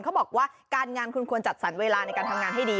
เขาบอกว่าการงานคุณควรจัดสรรเวลาในการทำงานให้ดี